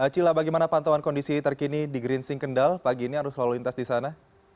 cila bagaimana pantauan kondisi terkini di green sing kendal pagi ini arus lalu lintas di sana